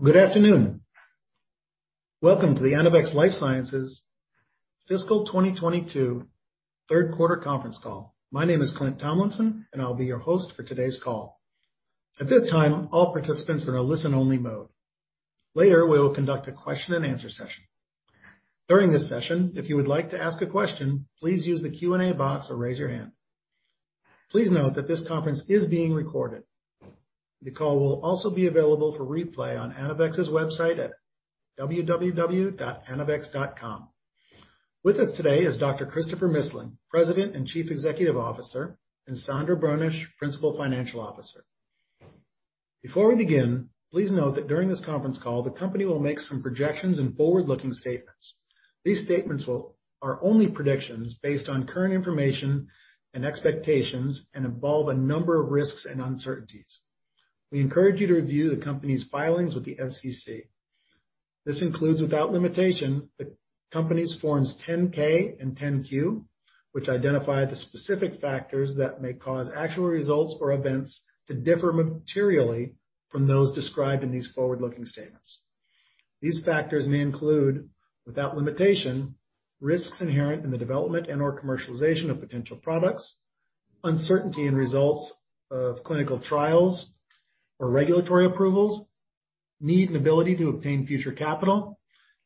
Good afternoon. Welcome to the Anavex Life Sciences Fiscal 2022 Third Quarter conference call. My name is Clint Tomlinson, and I'll be your host for today's call. At this time, all participants are in a listen-only mode. Later, we will conduct a question and answer session. During this session, if you would like to ask a question, please use the Q&A box or raise your hand. Please note that this conference is being recorded. The call will also be available for replay on Anavex's website at www.anavex.com. With us today is Dr. Christopher Missling, President and Chief Executive Officer, and Sandra Boenisch, Principal Financial Officer. Before we begin, please note that during this conference call, the company will make some projections and forward-looking statements. These statements are only predictions based on current information and expectations and involve a number of risks and uncertainties. We encourage you to review the company's filings with the SEC. This includes, without limitation, the company's Forms 10-K and 10-Q, which identify the specific factors that may cause actual results or events to differ materially from those described in these forward-looking statements. These factors may include, without limitation, risks inherent in the development and/or commercialization of potential products, uncertainty in results of clinical trials or regulatory approvals, need and ability to obtain future capital,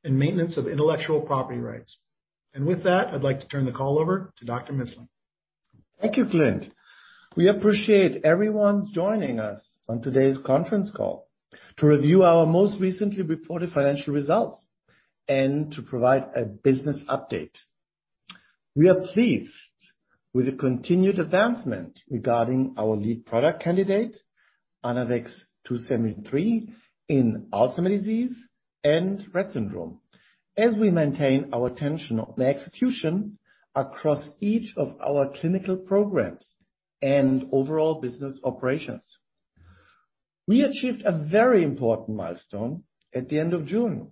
and maintenance of intellectual property rights. With that, I'd like to turn the call over to Dr. Missling. Thank you, Clint. We appreciate everyone's joining us on today's conference call to review our most recently reported financial results and to provide a business update. We are pleased with the continued advancement regarding our lead product candidate, ANAVEX 2-73, in Alzheimer's disease and Rett syndrome, as we maintain our attention on the execution across each of our clinical programs and overall business operations. We achieved a very important milestone at the end of June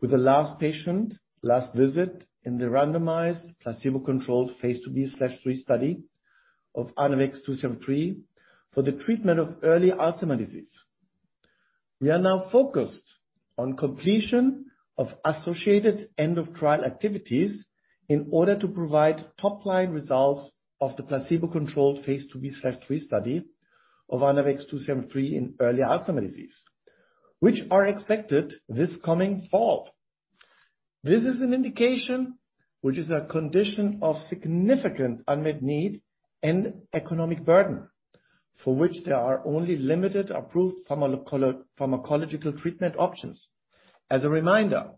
with the last patient, last visit in the randomized placebo-controlled phase II-B/III study of ANAVEX 2-73 for the treatment of early Alzheimer's disease. We are now focused on completion of associated end-of-trial activities in order to provide top-line results of the placebo-controlled phase II-B/III study of ANAVEX 2-73 in early Alzheimer's disease, which are expected this coming fall. This is an indication which is a condition of significant unmet need and economic burden for which there are only limited approved pharmacological treatment options. As a reminder,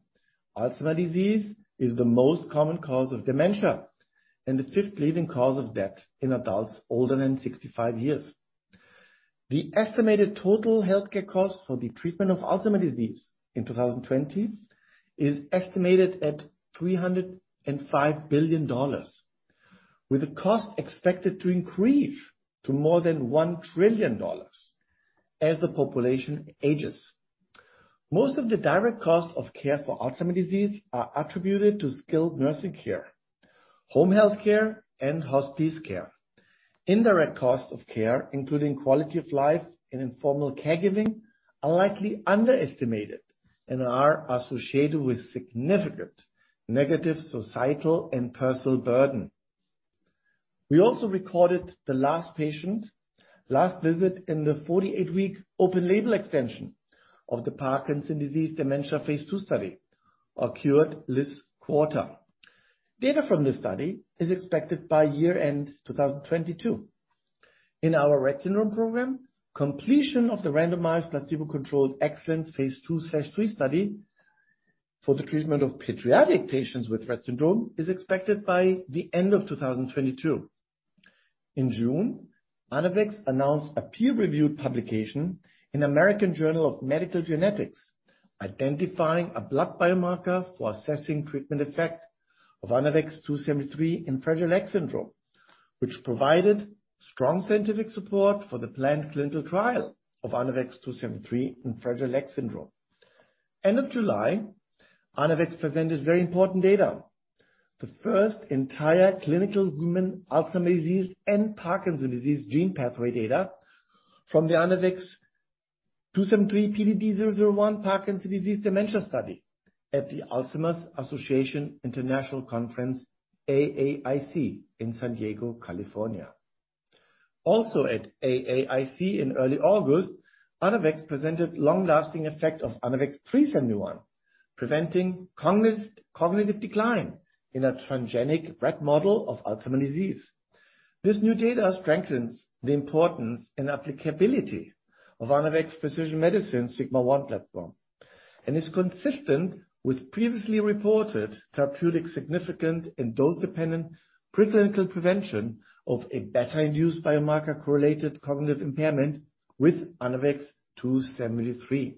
Alzheimer's disease is the most common cause of dementia and the fifth leading cause of death in adults older than 65 years. The estimated total healthcare costs for the treatment of Alzheimer's disease in 2020 is estimated at $305 billion, with the cost expected to increase to more than $1 trillion as the population ages. Most of the direct costs of care for Alzheimer's disease are attributed to skilled nursing care, home health care, and hospice care. Indirect costs of care, including quality of life and informal caregiving, are likely underestimated and are associated with significant negative societal and personal burden. We also recorded the last patient, last visit in the 48-week open-label extension of the Parkinson's disease dementia phase II study acquired this quarter. Data from this study is expected by year-end 2022. In our Rett syndrome program, completion of the randomized placebo-controlled EXCELLENCE phase II/III study for the treatment of pediatric patients with Rett syndrome is expected by the end of 2022. In June, Anavex announced a peer-reviewed publication in American Journal of Medical Genetics identifying a blood biomarker for assessing treatment effect of ANAVEX 2-73 in Fragile X Syndrome, which provided strong scientific support for the planned clinical trial of ANAVEX 2-73 in Fragile X Syndrome. End of July, Anavex presented very important data, the first entire clinical human Alzheimer's disease and Parkinson's disease gene pathway data from the ANAVEX 2-73 PDD-001 Parkinson's disease dementia study at the Alzheimer's Association International Conference, AAIC, in San Diego, California. Also at AAIC in early August, Anavex presented long-lasting effect of ANAVEX 3-71, preventing cognitive decline in a transgenic Rett model of Alzheimer's disease. This new data strengthens the importance and applicability of Anavex precision medicine Sigma-1 platform and is consistent with previously reported therapeutically significant and dose-dependent preclinical prevention of a beta-induced biomarker-correlated cognitive impairment with ANAVEX 2-73.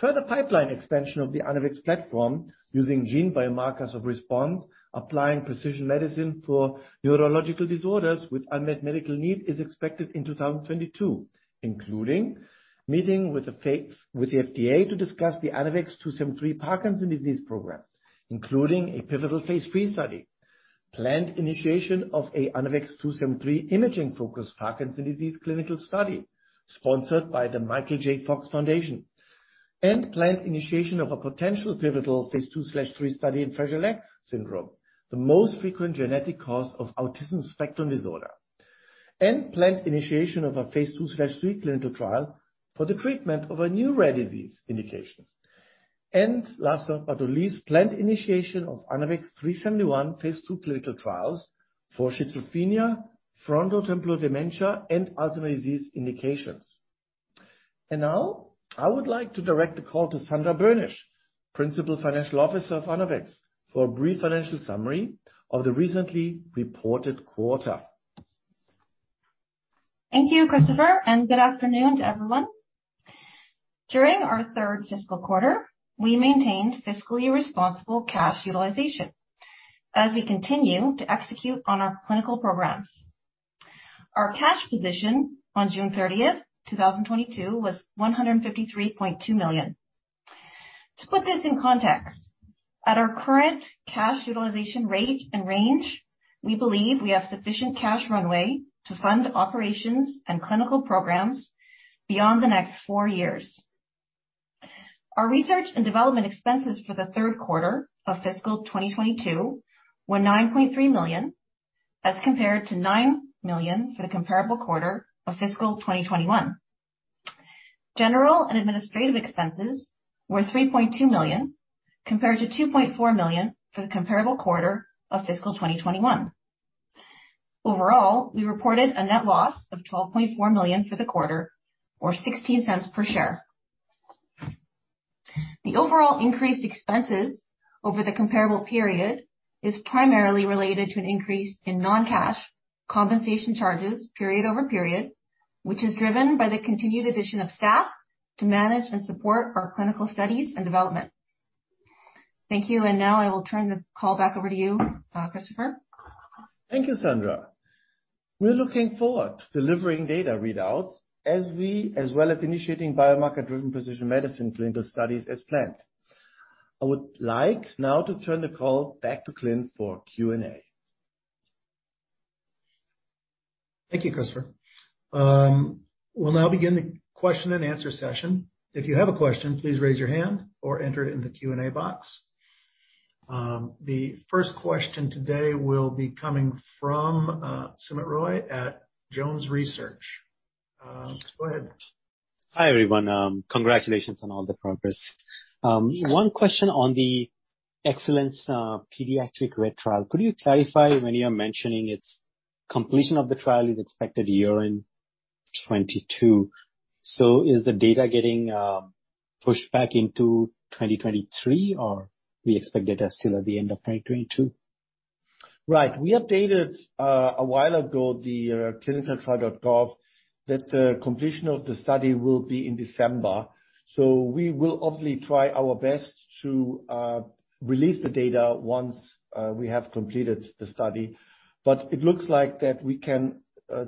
Further pipeline expansion of the Anavex platform using gene biomarkers of response, applying precision medicine for neurological disorders with unmet medical need is expected in 2022, including meeting with the FDA to discuss the ANAVEX 2-73 Parkinson's disease program, including a pivotal phase III study. Planned initiation of a ANAVEX 2-73 imaging-focused Parkinson's disease clinical study sponsored by the Michael J. Fox Foundation, and planned initiation of a potential pivotal phase II/III study in Fragile X Syndrome, the most frequent genetic cause of autism spectrum disorder. Planned initiation of a phase II/III clinical trial for the treatment of a new rare disease indication. Last but not least, planned initiation of ANAVEX 3-71 phase II clinical trials for schizophrenia, frontotemporal dementia, and Alzheimer's disease indications. Now I would like to direct the call to Sandra Boenisch, Principal Financial Officer of Anavex, for a brief financial summary of the recently reported quarter. Thank you, Christopher, and good afternoon to everyone. During our third fiscal quarter, we maintained fiscally responsible cash utilization as we continue to execute on our clinical programs. Our cash position on June 30th, 2022 was $153.2 million. To put this in context, at our current cash utilization rate and range, we believe we have sufficient cash runway to fund operations and clinical programs beyond the next four years. Our research and development expenses for the third quarter of fiscal 2022 were $9.3 million, as compared to $9 million for the comparable quarter of fiscal 2021. General and administrative expenses were $3.2 million, compared to $2.4 million for the comparable quarter of fiscal 2021. Overall, we reported a net loss of $12.4 million for the quarter or $0.16 per share. The overall increased expenses over the comparable period is primarily related to an increase in non-cash compensation charges period-over-period, which is driven by the continued addition of staff to manage and support our clinical studies and development. Thank you. Now I will turn the call back over to you, Christopher. Thank you, Sandra. We're looking forward to delivering data readouts as well as initiating biomarker driven precision medicine clinical studies as planned. I would like now to turn the call back to Clint for Q&A. Thank you, Christopher. We'll now begin the question and answer session. If you have a question, please raise your hand or enter it in the Q&A box. The first question today will be coming from Soumit Roy at JonesTrading. Go ahead. Hi, everyone. Congratulations on all the progress. One question on the EXCELLENCE pediatric Rett trial. Could you clarify when you're mentioning its completion of the trial is expected year-end 2022? Is the data getting pushed back into 2023, or we expect data still at the end of 2022? Right. We updated a while ago the ClinicalTrials.gov that the completion of the study will be in December. We will obviously try our best to release the data once we have completed the study. It looks like that we can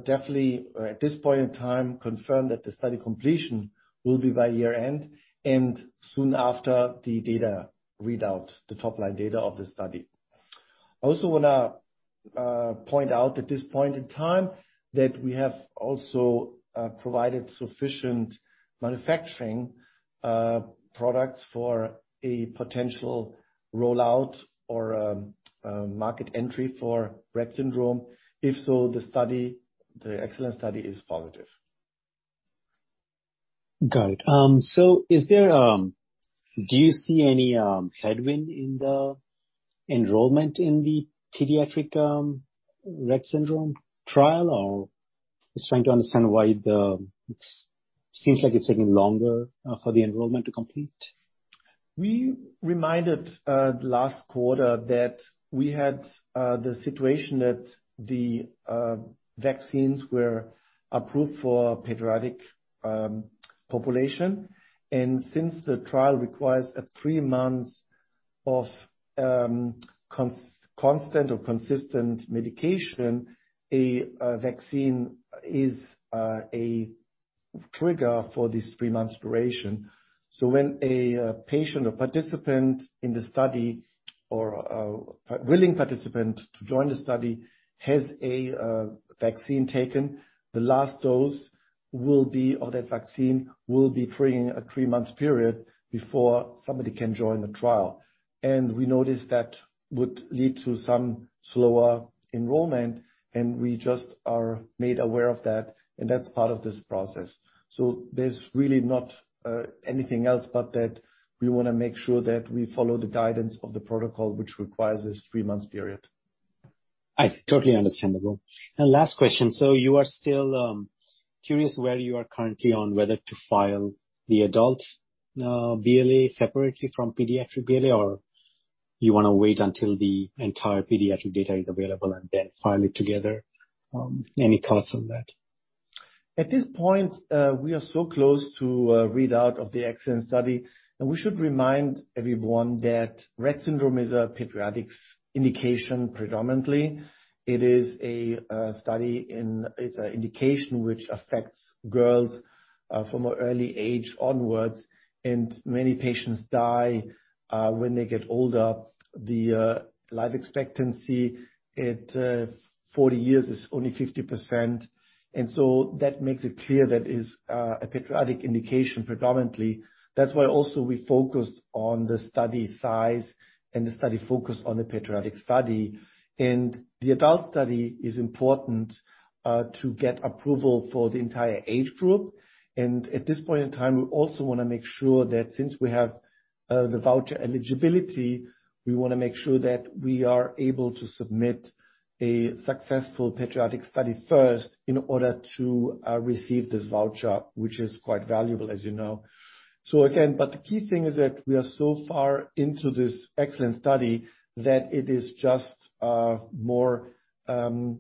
definitely at this point in time confirm that the study completion will be by year-end, and soon after the data readout, the top-line data of the study. I also wanna point out at this point in time that we have also provided sufficient manufacturing products for a potential rollout or a market entry for Rett syndrome, if so the study, the EXCELLENCE study is positive. Got it. Do you see any headwind in the enrollment in the pediatric Rett syndrome trial? Just trying to understand why it seems like it's taking longer for the enrollment to complete. We reminded last quarter that we had the situation that the vaccines were approved for pediatric population. Since the trial requires three months of constant or consistent medication, a vaccine is a trigger for this three-month duration. When a patient or participant in the study or a willing participant to join the study has a vaccine taken, the last dose will be, or that vaccine will be triggering a three-month period before somebody can join the trial. We noticed that would lead to some slower enrollment, and we just are made aware of that, and that's part of this process. There's really not anything else but that we wanna make sure that we follow the guidance of the protocol, which requires this three-month period. I see. Totally understandable. Last question. You are still curious where you are currently on whether to file the adult BLA separately from pediatric BLA, or you wanna wait until the entire pediatric data is available and then file it together? Any thoughts on that? At this point, we are so close to a readout of the EXCELLENCE study, and we should remind everyone that Rett syndrome is a pediatric indication predominantly. It is an indication which affects girls from an early age onwards and many patients die when they get older. The life expectancy at 40 years is only 50%, and so that makes it clear that it is a pediatric indication predominantly. That's why also we focus on the study size and the study focus on the pediatric study. The adult study is important to get approval for the entire age group. At this point in time we also wanna make sure that since we have the voucher eligibility, we wanna make sure that we are able to submit a successful pediatric study first in order to receive this voucher, which is quite valuable, as you know. The key thing is that we are so far into this EXCELLENCE study, that it is just more preferred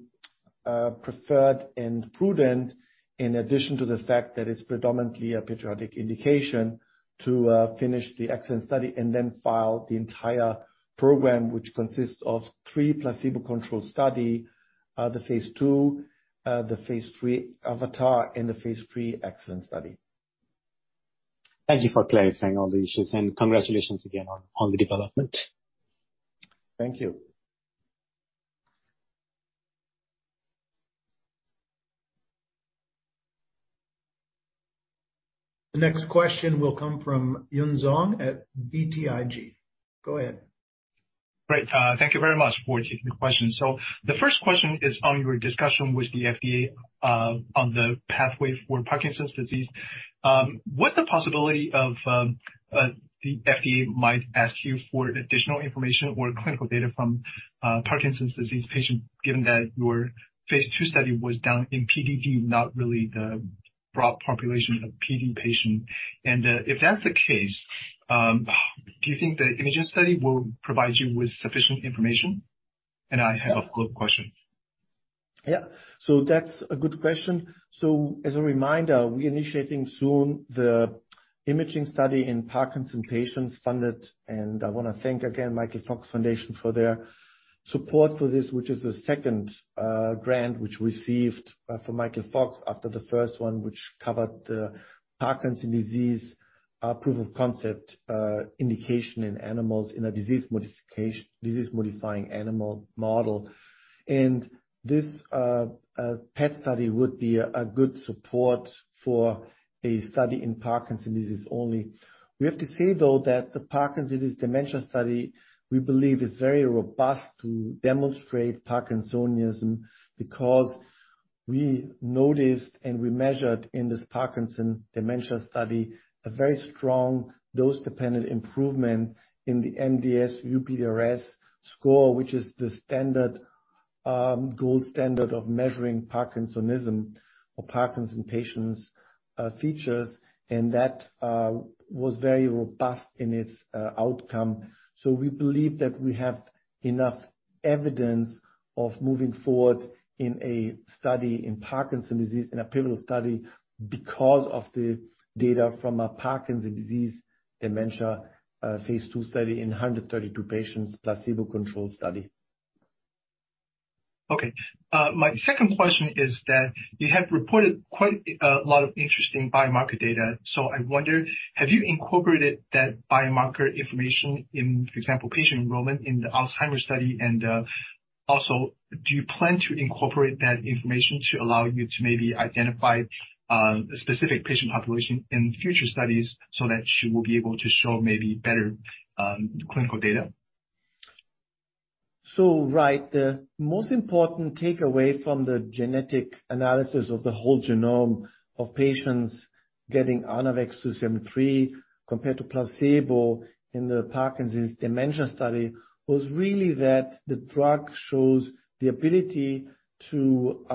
and prudent in addition to the fact that it's predominantly a pediatric indication to finish the EXCELLENCE study and then file the entire program which consists of three placebo-controlled study, the phase II, the phase III AVATAR and the phase III EXCELLENCE study. Thank you for clarifying all the issues and congratulations again on the development. Thank you. The next question will come from Yun Zhong at BTIG. Go ahead. Great. Thank you very much for taking the question. The first question is on your discussion with the FDA on the pathway for Parkinson's disease. What's the possibility of the FDA might ask you for additional information or clinical data from Parkinson's disease patient, given that your phase II study was done in PDD, not really the broad population of PD patient. If that's the case, do you think the imaging study will provide you with sufficient information? I have a follow-up question. Yeah. That's a good question. As a reminder, we're initiating soon the imaging study in Parkinson's patients funded, and I wanna thank again Michael J. Fox Foundation for their support for this, which is the second, grant which received, from Michael J. Fox after the first one, which covered the Parkinson's disease, proof of concept, indication in animals in a disease modification, disease-modifying animal model. This, PET study would be a good support for a study in Parkinson's disease only. We have to say, though, that the Parkinson's disease dementia study, we believe is very robust to demonstrate parkinsonism because we noticed and we measured in this Parkinson's dementia study a very strong dose-dependent improvement in the MDS-UPDRS score which is the standard, gold standard of measuring parkinsonism or Parkinson's patients, features, and that, was very robust in its, outcome. We believe that we have enough evidence of moving forward in a study in Parkinson's disease, in a pivotal study, because of the data from a Parkinson's disease dementia, phase II study in 132 patients, placebo-controlled study. Okay. My second question is that you have reported quite a lot of interesting biomarker data. I wonder, have you incorporated that biomarker information in, for example, patient enrollment in the Alzheimer's study? Also, do you plan to incorporate that information to allow you to maybe identify a specific patient population in future studies so that you will be able to show maybe better clinical data? Right. The most important takeaway from the genetic analysis of the whole genome of patients getting ANAVEX 2-73 compared to placebo in the Parkinson's dementia study was really that the drug shows the ability to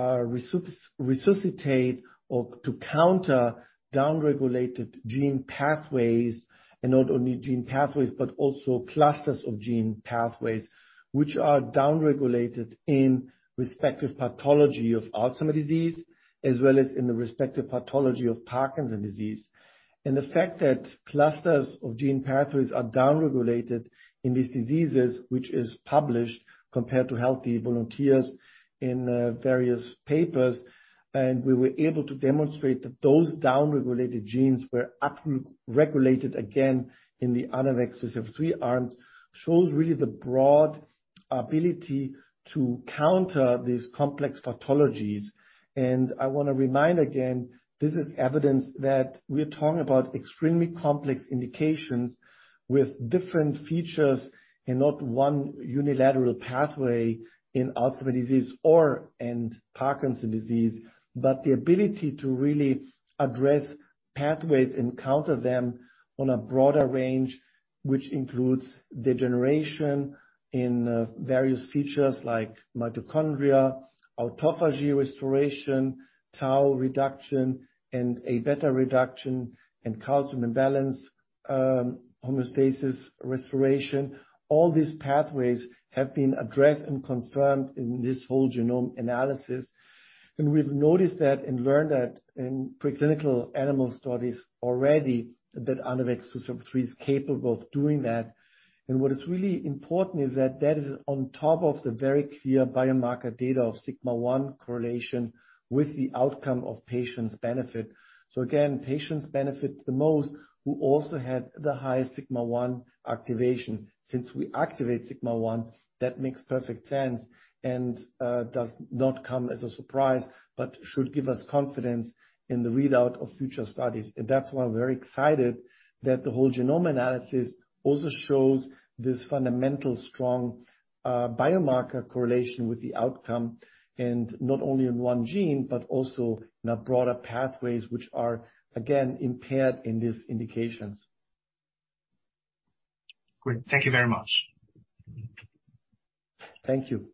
resuscitate or to counter downregulated gene pathways, and not only gene pathways, but also clusters of gene pathways which are downregulated in respective pathology of Alzheimer's disease, as well as in the respective pathology of Parkinson's disease. The fact that clusters of gene pathways are downregulated in these diseases, which is published compared to healthy volunteers in various papers, and we were able to demonstrate that those downregulated genes were upregulated again in the ANAVEX 2-73 arms, shows really the broad ability to counter these complex pathologies. I wanna remind again, this is evidence that we're talking about extremely complex indications with different features and not one unilateral pathway in Alzheimer's disease or/and Parkinson's disease, but the ability to really address pathways and counter them on a broader range, which includes degeneration in various features like mitochondria, autophagy restoration, tau reduction, and a beta reduction and calcium imbalance. Homeostasis restoration. All these pathways have been addressed and confirmed in this whole genome analysis. We've noticed that and learned that in preclinical animal studies already that ANAVEX 2-73 is capable of doing that. What is really important is that that is on top of the very clear biomarker data of Sigma-1 correlation with the outcome of patients benefit. Again, patients benefit the most, who also had the highest Sigma-1 activation. Since we activate Sigma-1, that makes perfect sense and does not come as a surprise, but should give us confidence in the readout of future studies. That's why I'm very excited that the whole genome analysis also shows this fundamental strong biomarker correlation with the outcome, and not only in one gene, but also in a broader pathways which are again impaired in these indications. Great. Thank you very much. Thank you.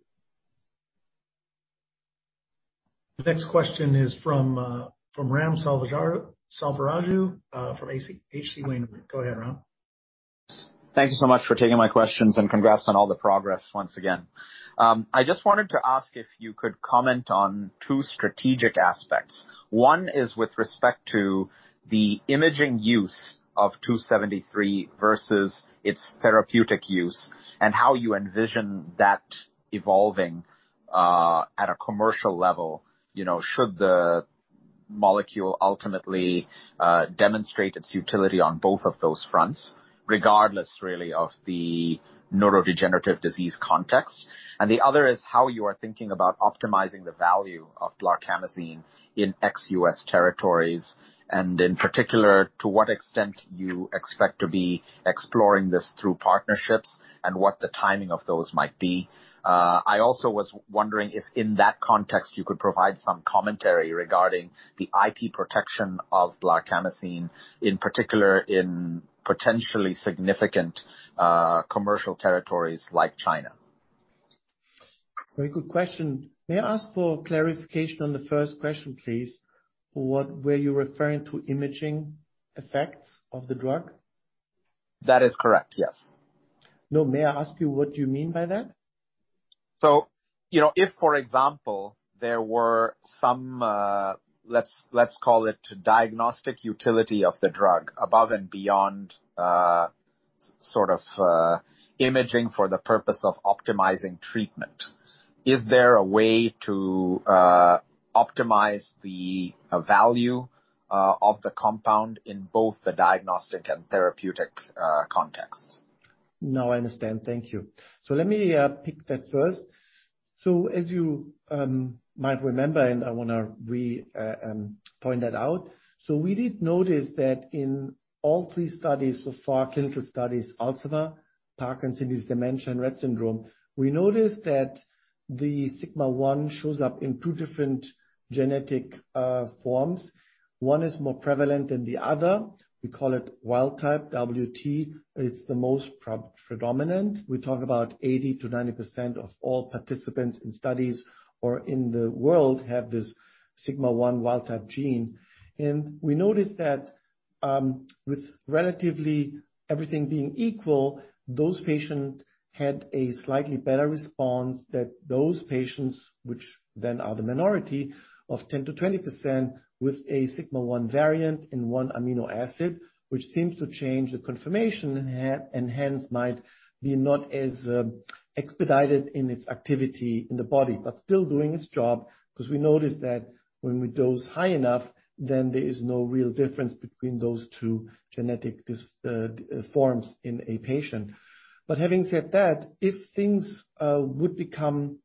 The next question is from Ram Selvaraju from H.C. Wainwright. Go ahead, Ram. Thank you so much for taking my questions and congrats on all the progress once again. I just wanted to ask if you could comment on two strategic aspects. One is with respect to the imaging use of 2-73 versus its therapeutic use and how you envision that evolving, at a commercial level, you know, should the molecule ultimately demonstrate its utility on both of those fronts, regardless really of the neurodegenerative disease context. The other is how you are thinking about optimizing the value of blarcamesine in ex-U.S. territories, and in particular, to what extent you expect to be exploring this through partnerships and what the timing of those might be. I also was wondering if in that context, you could provide some commentary regarding the IP protection of blarcamesine, in particular in potentially significant, commercial territories like China. Very good question. May I ask for clarification on the first question, please? What were you referring to, imaging effects of the drug? That is correct, yes. No. May I ask you what you mean by that? You know, if, for example, there were some, let's call it diagnostic utility of the drug above and beyond, sort of, imaging for the purpose of optimizing treatment. Is there a way to optimize the value of the compound in both the diagnostic and therapeutic contexts? No, I understand. Thank you. Let me pick that first. As you might remember, and I wanna point that out, so we did notice that in all three studies so far, clinical studies, Alzheimer's, Parkinson's disease dementia, and Rett syndrome, we noticed that the Sigma-1 shows up in two different genetic forms. One is more prevalent than the other. We call it wild type, WT. It's the most predominant. We talk about 80%-90% of all participants in studies or in the world have this Sigma-1 wild type gene. We noticed that, with relatively everything being equal, those patients had a slightly better response than those patients, which then are the minority of 10%-20% with a Sigma-1 variant in one amino acid, which seems to change the conformation and hence might not be as expedited in its activity in the body, but still doing its job, 'cause we noticed that when we dose high enough, then there is no real difference between those two genetic forms in a patient. Having said that, if things would become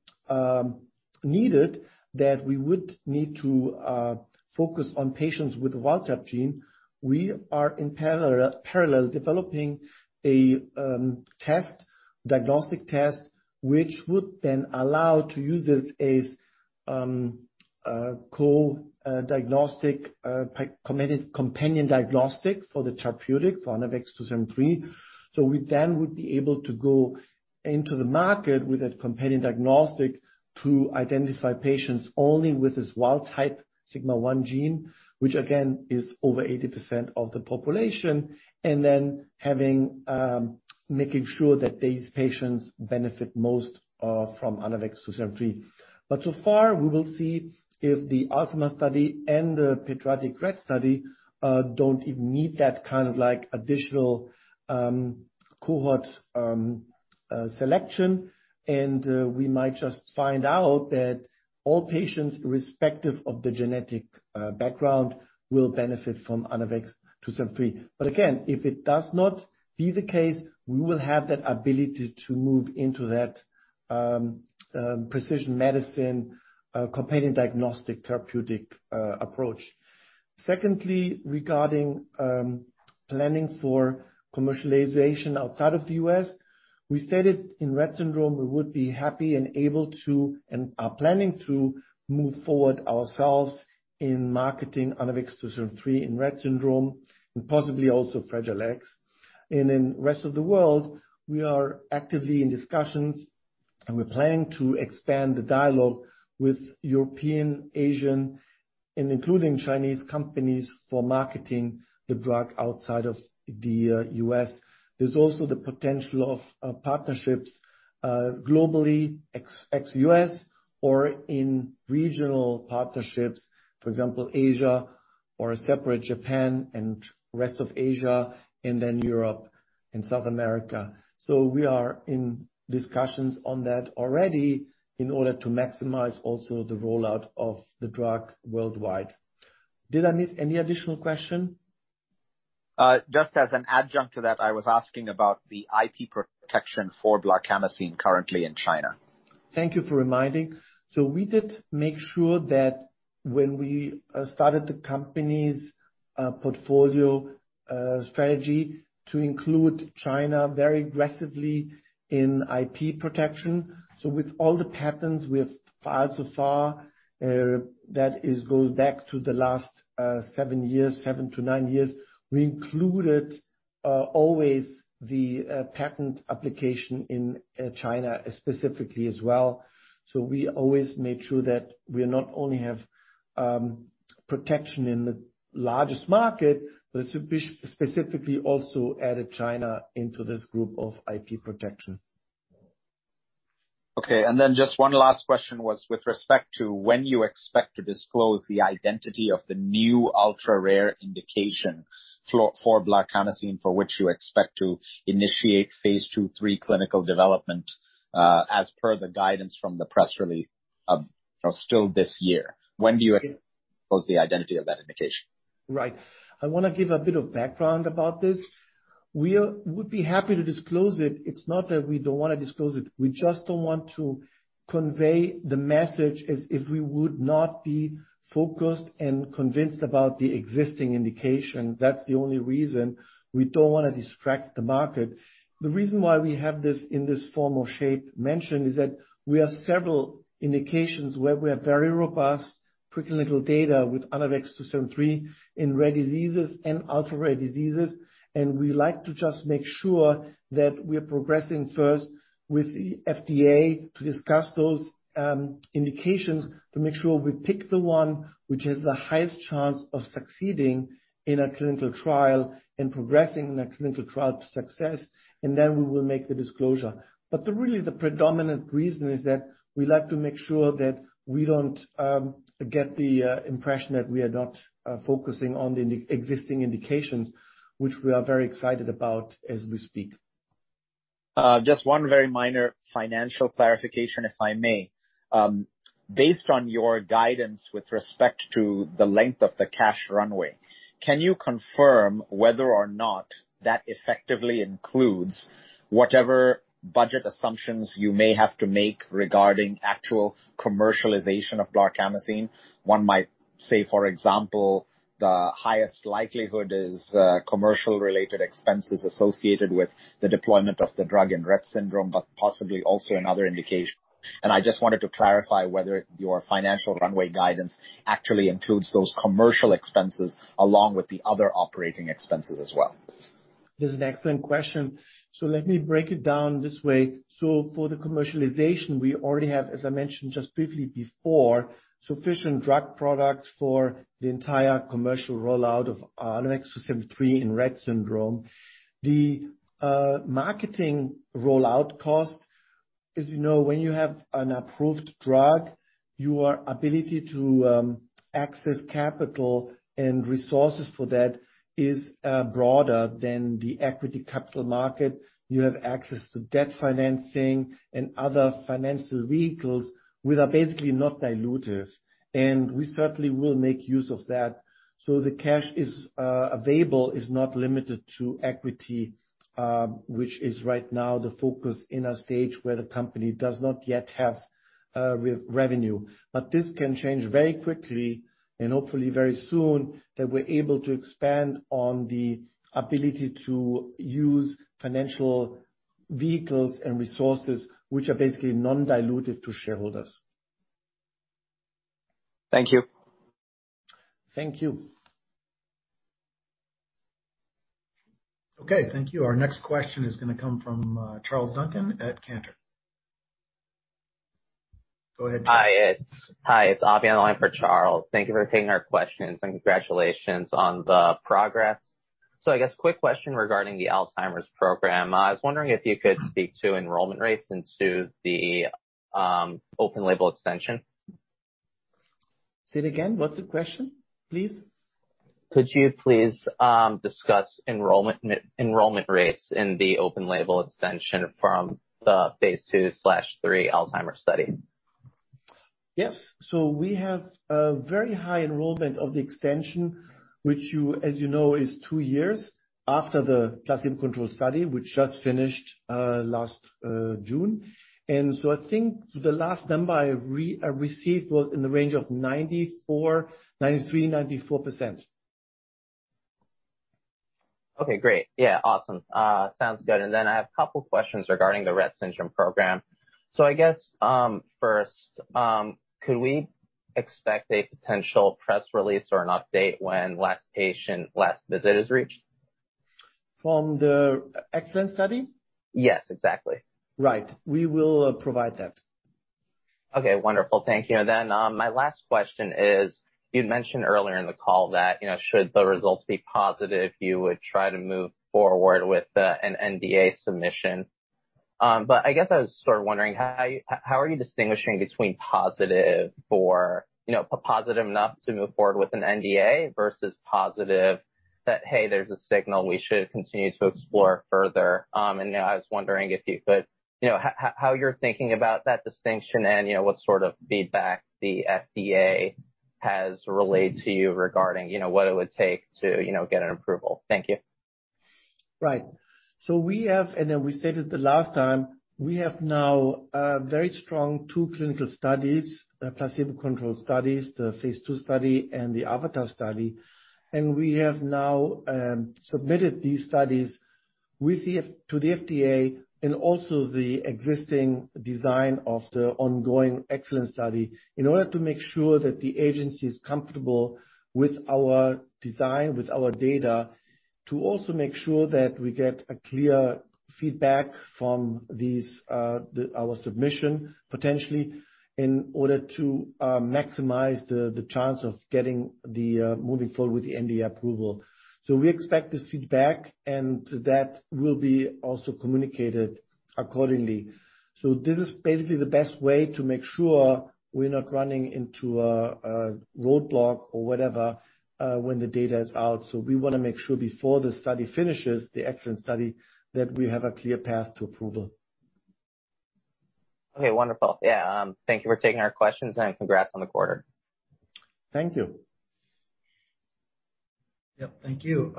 needed that we would need to focus on patients with wild type gene, we are in parallel developing a diagnostic test, which would then allow to use this as a companion diagnostic for the therapeutic for ANAVEX 2-73. We would be able to go into the market with that companion diagnostic to identify patients only with this wild type Sigma-1 gene, which again is over 80% of the population, and then making sure that these patients benefit most from ANAVEX 2-73. So far, we will see if the Alzheimer's study and the pediatric Rett study don't even need that kind of like additional cohort selection. We might just find out that all patients, respective of the genetic background, will benefit from ANAVEX 2-73. Again, if it does not be the case, we will have that ability to move into that precision medicine companion diagnostic therapeutic approach. Secondly, regarding planning for commercialization outside of the U.S., we stated in Rett syndrome we would be happy and able to, and are planning to move forward ourselves in marketing ANAVEX 2-73 in Rett syndrome and possibly also Fragile X. In rest of the world, we are actively in discussions. We're planning to expand the dialogue with European, Asian and including Chinese companies for marketing the drug outside of the U.S. There's also the potential of partnerships globally ex-U.S. or in regional partnerships, for example, Asia or a separate Japan and rest of Asia and then Europe and South America. We are in discussions on that already in order to maximize also the rollout of the drug worldwide. Did I miss any additional question? Just as an adjunct to that, I was asking about the IP protection for blarcamesine currently in China. Thank you for reminding. We did make sure that when we started the company's portfolio strategy to include China very aggressively in IP protection. With all the patents we have filed so far, that is going back to the last seven years, seven to nine years, we included always the patent application in China specifically as well. We always made sure that we not only have protection in the largest market, but specifically also added China into this group of IP protection. Just one last question was with respect to when you expect to disclose the identity of the new ultra-rare indication for blarcamesine for which you expect to initiate phase II/III clinical development, as per the guidance from the press release or still this year. When do you disclose the identity of that indication? Right. I wanna give a bit of background about this. We would be happy to disclose it. It's not that we don't wanna disclose it. We just don't want to convey the message as if we would not be focused and convinced about the existing indication. That's the only reason. We don't wanna distract the market. The reason why we have this in this form or shape mentioned is that we have several indications where we have very robust preclinical data ANAVEX 2-73 in rare diseases and ultra-rare diseases. We like to just make sure that we are progressing first with the FDA to discuss those indications to make sure we pick the one which has the highest chance of succeeding in a clinical trial and progressing in a clinical trial to success. Then we will make the disclosure. The predominant reason is that we like to make sure that we don't get the impression that we are not focusing on the existing indications, which we are very excited about as we speak. Just one very minor financial clarification, if I may. Based on your guidance with respect to the length of the cash runway, can you confirm whether or not that effectively includes whatever budget assumptions you may have to make regarding actual commercialization of blarcamesine? One might say, for example, the highest likelihood is, commercial related expenses associated with the deployment of the drug and Rett syndrome, but possibly also in other indications. I just wanted to clarify whether your financial runway guidance actually includes those commercial expenses along with the other operating expenses as well. That's an excellent question. Let me break it down this way. For the commercialization, we already have, as I mentioned just briefly before, sufficient drug products for the entire commercial rollout of ANAVEX 2-73 in Rett syndrome. The marketing rollout cost, as you know, when you have an approved drug, your ability to access capital and resources for that is broader than the equity capital market. You have access to debt financing and other financial vehicles which are basically not dilutive, and we certainly will make use of that. The cash is available, is not limited to equity, which is right now the focus in a stage where the company does not yet have revenue. This can change very quickly and hopefully very soon, that we're able to expand on the ability to use financial vehicles and resources which are basically non-dilutive to shareholders. Thank you. Thank you. Okay, thank you. Our next question is gonna come from, Charles Duncan at Cantor. Go ahead, Charles. Hi, it's Avi on the line for Charles. Thank you for taking our questions and congratulations on the progress. I guess quick question regarding the Alzheimer's program. I was wondering if you could speak to enrollment rates into the open label extension. Say it again. What's the question, please? Could you please discuss enrollment rates in the open-label extension from the phase II/III Alzheimer's study? Yes. We have a very high enrollment of the extension, which you, as you know, is two years after the placebo-controlled study, which just finished last June. I think the last number I received was in the range of 94%, 93%-94%. Okay, great. Yeah, awesome. Sounds good. I have a couple questions regarding the Rett syndrome program. I guess, first, could we expect a potential press release or an update when last patient, last visit is reached? From the EXCELLENCE study? Yes, exactly. Right. We will provide that. Okay, wonderful. Thank you. My last question is, you'd mentioned earlier in the call that, you know, should the results be positive, you would try to move forward with an NDA submission. But I guess I was sort of wondering how are you distinguishing between positive for, you know, positive enough to move forward with an NDA versus positive that, hey, there's a signal we should continue to explore further. I was wondering if you could, you know, how you're thinking about that distinction and, you know, what sort of feedback the FDA has relayed to you regarding, you know, what it would take to, you know, get an approval. Thank you. Right. We have, and then we stated the last time, we have now a very strong two clinical studies, placebo-controlled studies, the phase II study and the AVATAR study. We have now submitted these studies to the FDA and also the existing design of the ongoing EXCELLENCE study in order to make sure that the agency is comfortable with our design, with our data to also make sure that we get a clear feedback from these, our submission, potentially, in order to maximize the chance of getting moving forward with the NDA approval. We expect this feedback and that will be also communicated accordingly. This is basically the best way to make sure we're not running into a roadblock or whatever when the data is out. We wanna make sure before the study finishes, the EXCELLENCE study, that we have a clear path to approval. Okay, wonderful. Yeah. Thank you for taking our questions and congrats on the quarter. Thank you. Yep, thank you.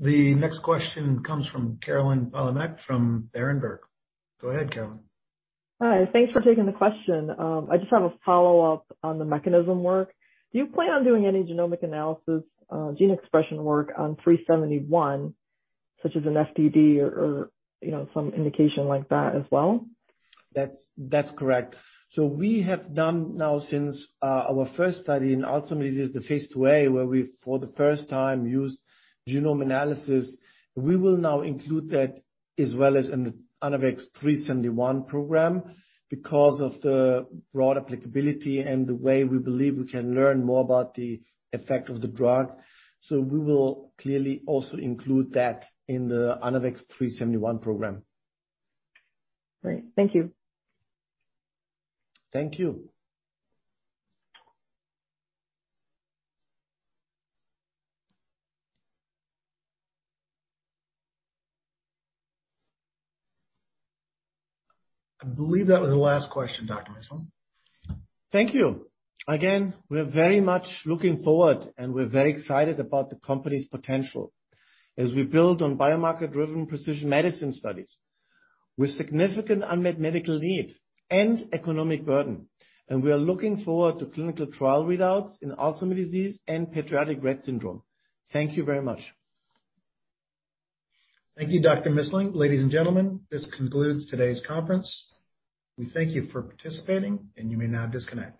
The next question comes from Caroline Palomeque from Berenberg. Go ahead, Caroline. Hi. Thanks for taking the question. I just have a follow-up on the mechanism work. Do you plan on doing any genomic analysis, gene expression work on ANAVEX 3-71, such as an FTD or, you know, some indication like that as well? That's correct. We have done now since our first study in Alzheimer's disease, the phase II-A, where we, for the first time, used genome analysis. We will now include that as well as in the ANAVEX 3-71 program because of the broad applicability and the way we believe we can learn more about the effect of the drug. We will clearly also include that in the ANAVEX 3-71 program. Great. Thank you. Thank you. I believe that was the last question, Dr. Missling. Thank you. Again, we're very much looking forward, and we're very excited about the company's potential as we build on biomarker-driven precision medicine studies with significant unmet medical needs and economic burden. We are looking forward to clinical trial readouts in Alzheimer's disease and pediatric Rett syndrome. Thank you very much. Thank you, Dr. Missling. Ladies and gentlemen, this concludes today's conference. We thank you for participating, and you may now disconnect.